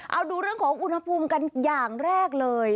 เอาดูเรื่องของอุณหภูมิกันอย่างแรกเลย